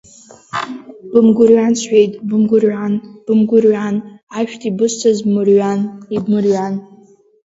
Бымгәырҩан сҳәеит, бымгәырҩан, бымгәырҩан, ашәҭ ибысҭаз бмырҩан, ибмырҩан.